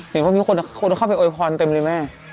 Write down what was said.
เห็นว่ามีคนเข้าไปโวยพรเต็มเลยแม่